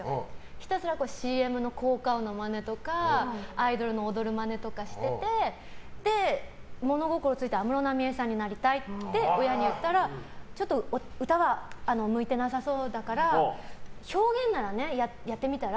ひたすらＣＭの効果音のマネとかアイドルの踊るマネとかしてて物心ついて安室奈美恵さんになりたいって親に言ったらちょっと歌は向いてなさそうだから表現ならやってみたら？